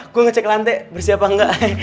gue ngecek lantai bersih apa enggak